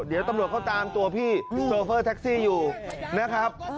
เดี๋ยวตำรวจเขาตามตัวพี่โชเฟอร์แท็กซี่อยู่นะครับ